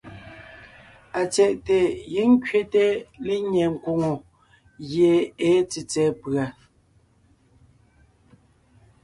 Atsyɛ̀ʼte giŋ kẅete lenyɛ nkwòŋo gie èe tsètsɛ̀ɛ pʉ̀a.